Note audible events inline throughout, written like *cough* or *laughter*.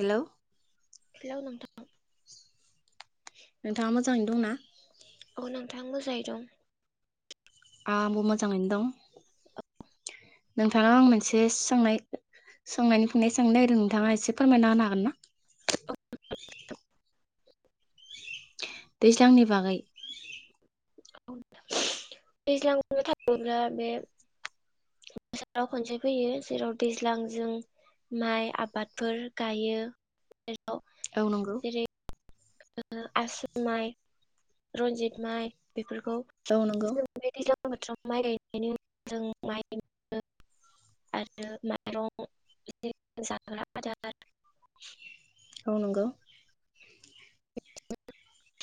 Hello hello नोंथां नोंथाङा मोजाङैनो दंना? आं मोजाङै दं आंबो मोजाङैनो दं नोंथाङा आं मोनसे सोंनाय सोंनायनि फिन्नाय सों नागिरदों नोंथाङा एसे फोरमायना होनो हागोन ना दैज्लांनि बागै? दैज्लां बुंनो थाङोब्ला बे बोसाराव खनसे फैयो जेराव दैज्लां जों माइ आबादफोर गायो जेराव औ नंगौ जेरै आसु माइ रन्जित माइ बेफोरखौ औ नंगौ खौ *unintelligible* *unintelligible* बोथोराव माइ गायनायनि जों माइ *unintelligible* आरो माइरं जाग्रा आदार *unintelligible* औ नंगौ *unintelligible*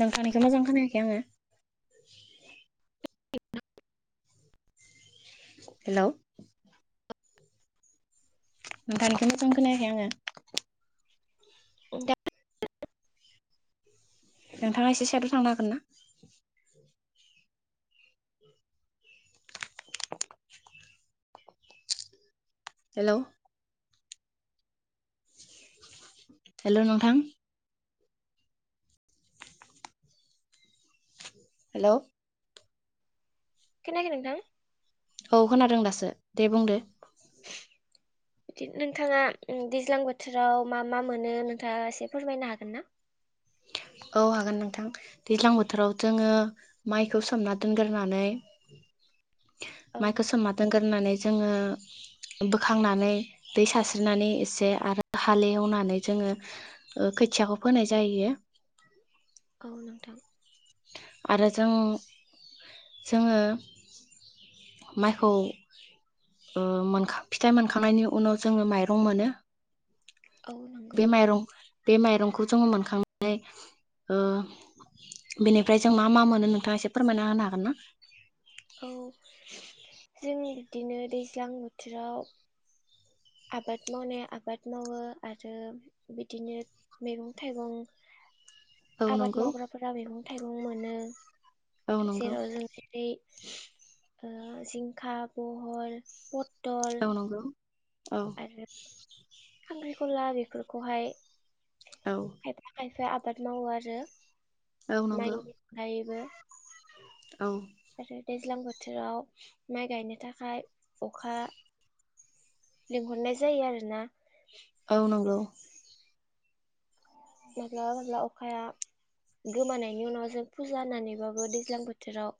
नोंथां निखौ मोजां खोनाखै आङो हेलौ नोंथांनिखौ मोजां खोनायाखै आङो दा *unintelligible* नोंथाङा एसे साइडाव थांनो हागोन ना? *inaudible* हेलौ हेलौ नोंथां हेलौ खोनायाखै नोंथां? औ खोनादों दासो दे बुंदो बिदि नोंथाङा दैज्लां बोथोराव मा मा मोनो नोंथाङा एसे फोरमायनो हागोन ना? औ हागोन नोंथां दैज्लां बोथोराव जोङो माइखौ सोमना दोनग्रोनानै औ माइखौ सोमना दोनगोर नानै जोङो बोखांनानै दै सास्रिनानै एसे आरो हालेवनानै जोङो खोथियाखौ फोनाय जायो औ नोंथां आरो जों जोङो माइखौ ओ मोनखा फिथाइ मोनखांनायनि उनाव जोङो माइरं मोनो औ नंगौ बे माइरं बे माइरंखौ जोङो मोनखांनानै ओ बेनिफ्राय जों मा मा मोनो नोंथाङा एसे फोरमायना होनो हागोन ना औ जों बिदिनो दैज्लां बोथोराव आबाद मावनाय आबाद मावो आरो बिदिनो मैगं थाइगं औ आबाद नंगौ मावग्राफोरा मैगं थाइगं मोनो औ नंगौ जेराव जों जेरै ओ जिंखा बहल प- औ नंगौ औ *inaudible* ख्रिखला बेफोरखौहाय औ खायफा खायफा फ्राय आबाद मावो आरो औ नंगौ माइ माइबो औ दैज्लां बोथोराव माइ गायनो थाखाय अखा लिंहरनाय जायो आरोना औ नंगौ माब्लाबा माब्लाबा अखाया गोमानायनि उनाव जों फुजा होननानैबाबो दैज्लां बोथोराव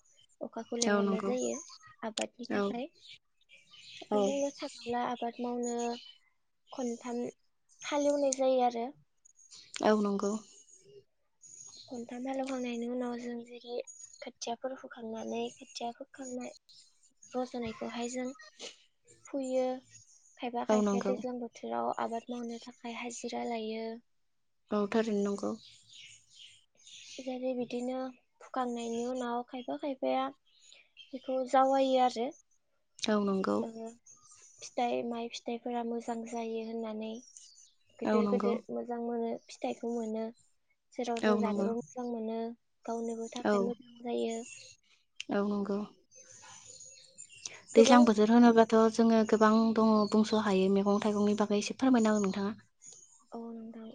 अखाखौ औ लेंहरनाय नंगौ जायो आबादनि औ थाखाय जों औ बुंनो थाङोब्ला आबाद मावनो खनथाम हालेवनाय जायो आरो औ नंगौ खन्थाम हालवखांनायनि उनाव जों जेरै खोथियाफोर फोखांनानै खोथिया फोखांनाय रज नायखौहाय जों फुयो खायफा औ खायफाया नंगौ दैज्लां बोथोराव आबाद मावनो थाखाय हाजिरा लायो औ थारैनो नंगौ जेरै बिदिनो फुखांनायनि उनाव खायफा खायफाया बेखौ जावायो आरो औ नंगौ ओ फिथाइ माइ फिथाइफोरा मोजां जायो होननानै औ गिदिर नंगौ गिदिर मोजां मोनो फिथाइखौ मोनो जेराव औ जों नंगौ जानोबो मोनो गावनोबो औ थाखाय मोजां जायो औ नंगौ गोबां दैज्लां बोथोर होनोबा थ जोङो गोबां दङ बुंस हायो मैगं थाइगंनि बागै एसे फोरमायनांगौ नोंथाङा औ नोंथां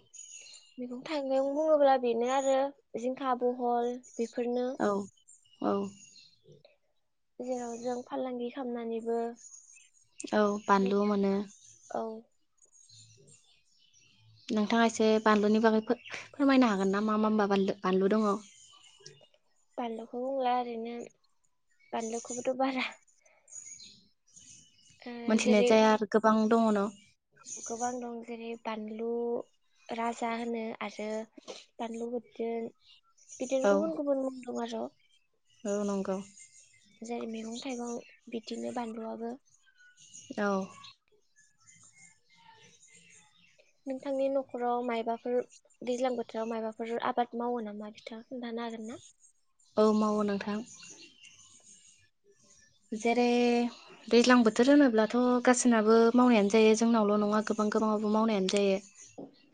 मैगं थाइगं बुङोब्ला बेनो आरो जिंखा बहल बेफोरनो औ औ जेराव जों फालांगि खालामनानैबो औ बानलु मोनो औ नोंथाङा एसे बानलुनि बागै फोरमायनो हागोन ना मा मा मालु बानलु दङ बानलुखौ बुंला ओरैनो बानलुखौबोथ बारा ओ मोनथिनाय जेरै जाया आरो गोबां दन गोबां दं जेरै बानलु राजा होनो आरो बानलुफोरदो बिदिनो गुबुन गुबुन म दंआरो न नंगौ जेरै मैगं थाइगं बिदिनो बानलुआबो औ नोंथांनि नखराव मायबाफोर दैज्लां बोथोराव मायबाफोर आबाद मावो नामा बिथाङा खोनन्थानो हागोन ना औ मावो नोंथां जेरै दैज्लां बोथोर होनोब्लाथ गाससिनाबो मावनायानो जायो जोंनावल नङा गोबां गोबाङाबबो मावनायानो जायो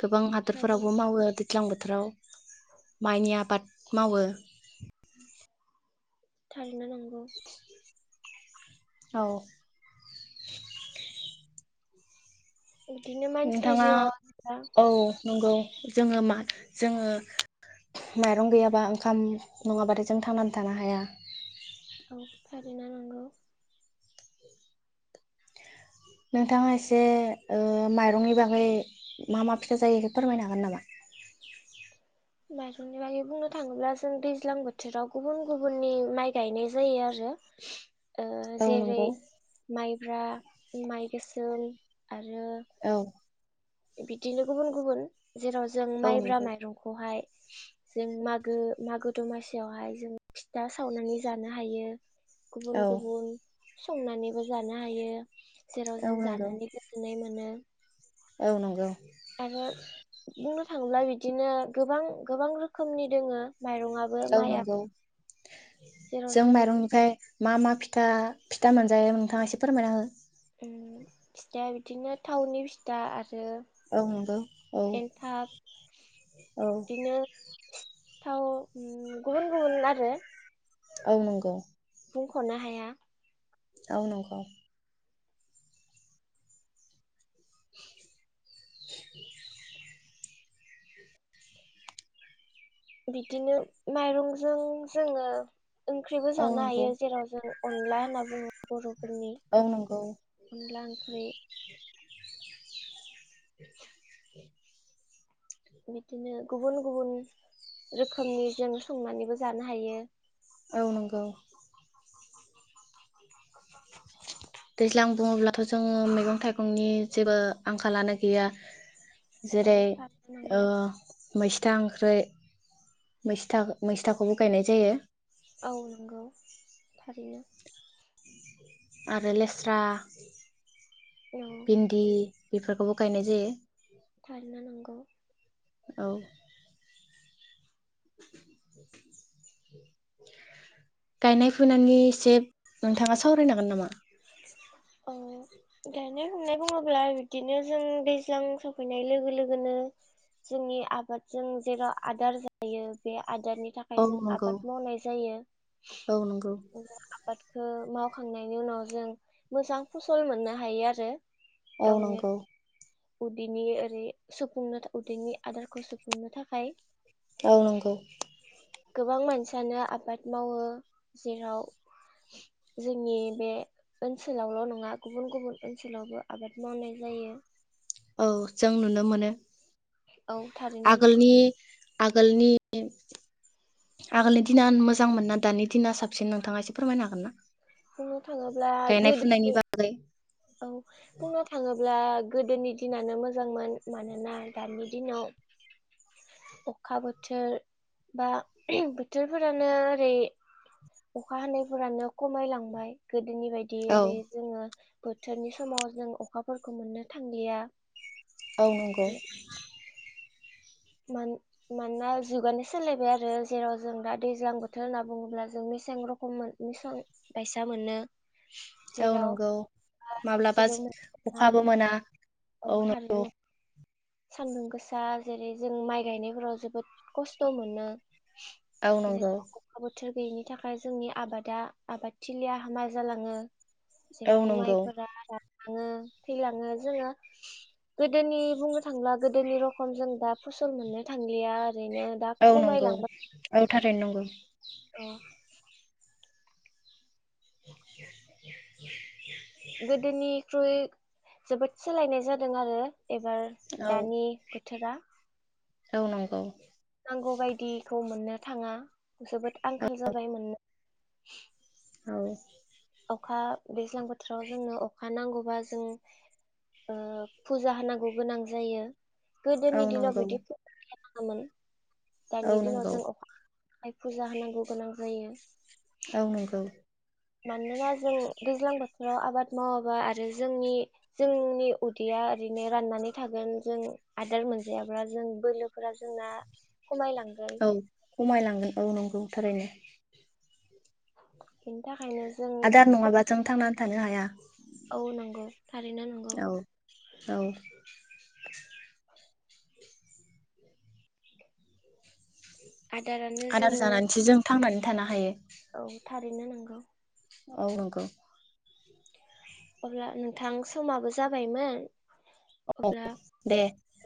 गोबां थारैनो हादोरफोरावबो मावो दैज्लां बोथोराव माइनि आबाद मावो थारैनो नंगौ औ *inaudible* बिदिनो मानसिनि नोंथाङा जिउआव औ नंगौ जोङो मा जोङो माइरं गैयाबा ओंखाम नङाबथाय जों थांनानै थानो हाया औ थारै नंगौ नोंथाङा एसे ओ माइरंनि बागै मा मा फिथा जायो बेखौ फोरमायनो हागोन नामा माइरंनि बागै बुंनो थाङोब्ला जों दैज्लां बोथोराव गुबुन गुबुननि माइ गायनाय जायो आरो ओ औ जेरै नंगौ माइब ब्रा माइ गोसोम, आरो औ बिदिनो गुबुन गुबुन जेराव जों औ माइब्रा नंगौ माइरंखौहाय जों मागो-मागो दमासियावहाय जों फि था सावनानै जानो हायो। औ गुबुन -गुबुन संनानैबो जानो हायो, जेराव औ जों नंगौ जानानै गोजोननाय मोनो। औ नंगौ। आरो बुंनो थाङोब्ला बिदिनो गोबां - गोबां रोखोमनि दोङो। माइरंआबो औ माइआ नंगौ, जों माइरंनिफ्राय मा मा फिथा- फिथा मोनजायो नोंथाङा एसे फोरमायना हो फिथाया बिदिनो थावनि फिथा आ औ नंगौ औ, औ बिदिनो सिथाव ओम गुबुन गुबुन आरो औ नंगौ। बुंखनो हाया, औ नंगौ। *inaudible* बिदिनो माइरंजों जोङो ओंख्रिबो औ जानो नंगौ हायो जेराव जों अनला होनना बुङो बर'फोरनि औ नंगौ अनला ओंख्रि। *inaudible* बिदिनो गुबुन-गुबुन रोखोमनि जों संनानैबो जानो हायो। औ नंगौ। दैज्लां बुङोब्लाथ' जोङो मैगं थाइगंनि जेबो आंखालानो गैया। औ जेरै थारैनो नंगौ ओ मैस्था ओंख्रै मैस्था मैस्थाखौबो गायनाय जायो। औ नोंगौ थारैनो, आरो लेस्रा औ भिन्दि बेफोरखौबो गायनाय जायो। थारैनो नंगौ, औ गायनाय फुनायनि एसे नोंथाङा सावरायनो हागोन नामा? *unintelligible* गायनाय फुनाय बुङोब्ला बिदिनो जों दैज्लां सफैनाय लोगो लोगोनो जोंनि आबादजों जेराव आदार जायो बे आदारनि औ थाखाय जों नंगौ आबाद मावनाय जायो औ नंगौ आबाद खो मावखांनायनि उनाव जों मोजां फसल मोननो हायो आरो औ गावनि नंगौ। उदैनि ओरै सुफुंनो उदैनि आदारखौ सुफुंनो थाखाय। औ नंगौ। गोबां मानसियानो आबाद मावो जेराव जोंनि बे ओनसोलावल नङा गुबुन गुबुन ओनसोलावबो आबाद मावनाय जायो। औ जों नुनो मोनो। औ थारैनो नंगौ। आगोलनि आगोलनि आगोलनि दिना मोजांमोना दानि दिना साबसिन नोंथाङा एसे फोरमायनो हागोन ना। बुंनो थाङोब्ला गायनाय फुनायनि गोदोनि बागै औ बुंनो थाङोब्ला गोदोनि दिनानो मोजांमोन मानोना दानि दिनाव अखा बोथोर बा बोथोरफोरानो ओरै अखा हानायफोरानो खमायलांबाय। बिनि बायदि औ ओरै जोङो बोथोरनि समाव जों अखाफोरखौ मोननो थांलिया। औ नंगौ। मानो मानोना जुगानो सोलायबाय आरो जेराव जों दा दैज्लां बोथोर होनना बुङोब्ला जों मेसें रखम मोनो मेसें बायसा मोनो। औ जेराव नंगौ माब्लाबा थोबसेबो मोना अखाबो मोना। औ थारैनो। सान्दुं गोसा जेरै जों माइ गायनायफोराव जोबोद खस्थ मोनो। औ नंगौ। बेनि थाखाय जोंनि आबादा आबादथिलिया हामा जालाङो। औ जेराव नंगौ माइफोरा थाङो थैलाङो जोङो गोदोनि बुं थांला गोदोनि रखम जों दा फसल मोननो थांलिया। ओरैनो दा औ नंगौ खमायलांबाय औ थ *unintelligible* *inaudible* गोदोनिख्रुय जोबोद सोलायनाय जादों आरो। एबार औ दानि बोथोरा। औ नंगौ नांगौ बायदिखौ मोननो थाङा जोबोद आंखाल जाबाय मोननो *inaudible* औ अखा दैज्लां बोथोराव जोंनो अखा नांगौबा जों ओ फुजा होनांगौ गोनां जायो। औ गोदोनि दिनाव नंगौ बिदिखौ *unintelligible* दाानि औ दिनाव नंगौ जों अखा थाखाय फुजा होनांगौ गोनां जायो। औ नंगौ मानोना जों दैज्लां बो थोराव आबाद मावाबा आरो जोंनि जोंनि उदैया ओरैनो राननानै थागोन जों आदार मोनजायाब्ला जों बोलोफोरा जोंना खमायलांगोन औ खमायलांगोन औ नंगौ थारैनो बेनि थाखायनो जों आदाद नङाबा जों थांना थानो हाया औ नंगौ थारैनो नंगौ। औ *inaudible* आदारानो आदार जोंनो जानानैसो जों थांनानै थानो हायो। औ थारैनो नोंगौ। औ नोंगौ। अब्ला नोंथां समाबो जाबायमोन। अब्ला दे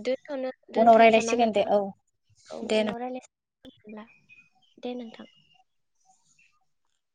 दनथ'नो उनाव दोनथ'सै मा रायज्लायसिगोन दे नोंथां औ औ दे नों उनाव रायलाय *unintelligible* दे नोंथां